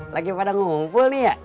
lagi pada ngumpul nih ya